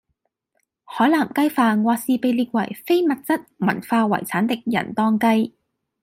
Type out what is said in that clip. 海南雞飯或是被列為非物質文化遺產的仁當雞